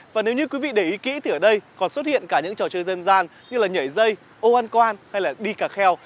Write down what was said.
và nếu như quý vị để ý kỹ thì ở đây còn xuất hiện cả những trò chơi dân gian như là nhảy dây ô an quan hay là đi cả kheo